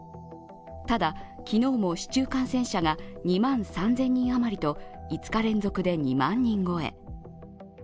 ただ、昨日も市中感染者が２万３０００人余りと５日連続で２万人超え。